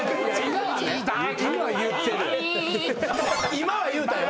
今は言うたよ。